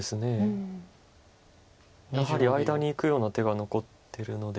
やはり間にいくような手が残ってるので。